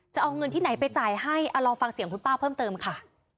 จะเอาเงินที่ไหนไปจ่ายให้ลองฟังเสียงคุณป้าเพิ่มเติมค่ะ